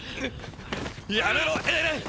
やめろエレン！